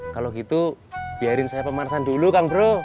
kalau gitu biarin saya pemanasan dulu kang bro